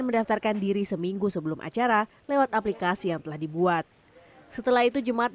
mendaftarkan diri seminggu sebelum acara lewat aplikasi yang telah dibuat setelah itu jemaat